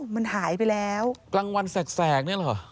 มันหายไปแล้วกลางวันแสกเนี่ยเหรอ